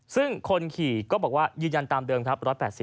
ซึ่งคนขี่ก็บอกว่ายืนยันตามเดิมครับ๑๘๐